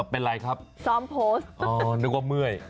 เป็นไรครับนึกว่าเมื่อย